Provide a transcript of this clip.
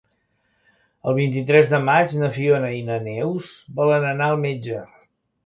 El vint-i-tres de maig na Fiona i na Neus volen anar al metge.